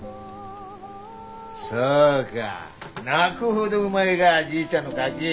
そうか泣くほどうまいがじいちゃんのカキ。